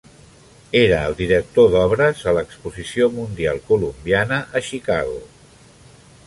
Era el director d'obres a l'exposició mundial colombiana a Chicago.